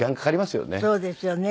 そうですよね。